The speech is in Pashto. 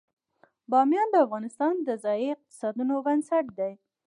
بامیان د افغانستان د ځایي اقتصادونو بنسټ دی.